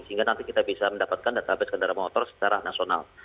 sehingga nanti kita bisa mendapatkan database kendaraan motor secara nasional